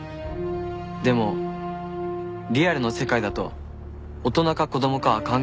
でもリアルの世界だと大人か子供かは関係ある。